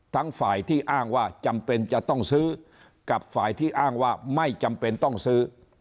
ฝ่ายที่อ้างว่าจำเป็นจะต้องซื้อกับฝ่ายที่อ้างว่าไม่จำเป็นต้องซื้อ